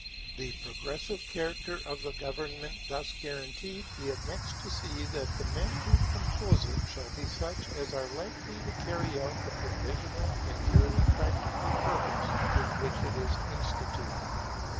The progressive character of the government thus guaranteed, we have next to see that the men who compose it shall be such as are likely to carry out the provisional and purely practical purpose with which it is instituted.